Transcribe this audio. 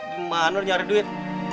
dimana nyari duit